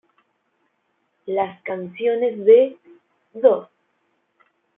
Las canciones de ¡Dos!